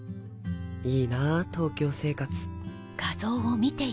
いいなぁ東京生活。